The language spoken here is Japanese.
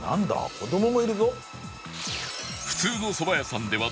子どももいるぞ。